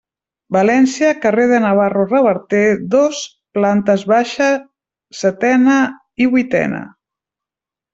València, carrer de Navarro Reverter, dos, plantes baixa, setena i vuitena.